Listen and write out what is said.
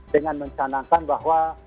dengan mencanangkan bahwa